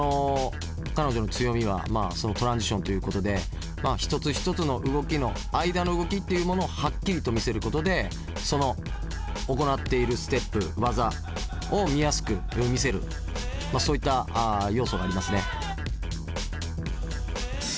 彼女の強みはそのトランジションということで一つ一つの動きの間の動きっていうものをはっきりと見せることで行っているステップ技を見やすく見せるそういった要素がありますね。